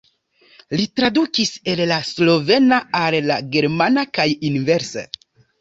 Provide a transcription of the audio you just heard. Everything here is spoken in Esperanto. Li tradukis el la slovena al la germana kaj inverse.